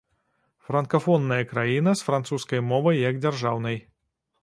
Франкафонная краіна з французскай мовай як дзяржаўнай.